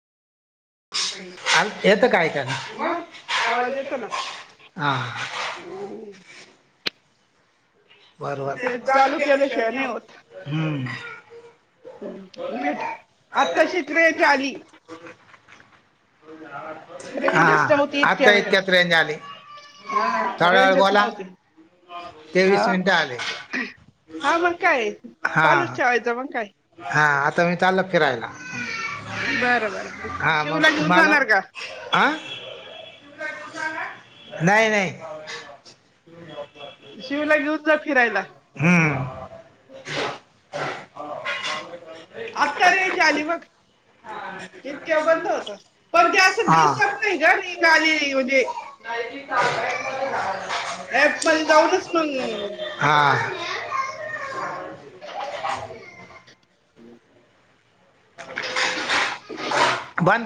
मग आवाज येतो ना. बरबर हम्म. आता शिख्र चाली. रेंजच नव्हती इतक्या वेळ, हा रेंजच नव्हती. हा हा मंग काय चालूच ठेवायचं मग काय? हा. तर मी चाललं फिरायला, हां मग मला हां. नाही नाही हम्म. [inaudible] आत्ता रेंज आली बघ, इतका वेळ बंद होत. पण ते असं दिसत नाही घर रिंग आली म्हणजे पण जाऊनच मंग. [inaudible] [inaudible]